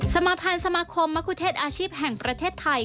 สมาพันธ์สมาคมมะคุเทศอาชีพแห่งประเทศไทย